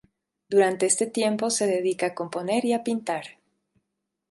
Durante este tiempo se dedica a componer y a pintar.